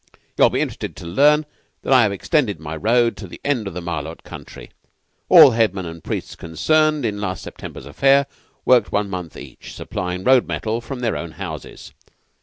You will be interested to learn that I have extended my road to the end of the Malôt country. All headmen and priests concerned in last September's affair worked one month each, supplying road metal from their own houses.